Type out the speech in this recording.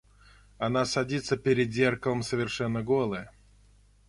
Она садится перед зеркалом совершенно голая...